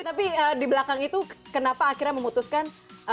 tapi di belakang itu kenapa akhirnya memutuskan